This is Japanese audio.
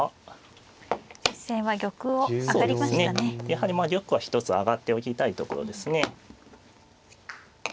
やはりまあ玉は一つ上がっておきたいところですね。